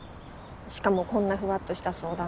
しかもこんなふわっとした相談。